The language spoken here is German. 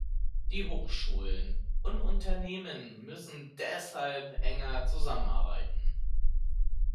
Die Hochschulen und Unternehmen müssen deshalb enger zusammenarbeiten.